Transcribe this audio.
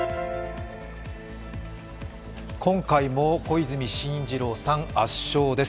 今回も小泉進次郎さん圧勝です。